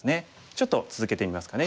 ちょっと続けてみますかね。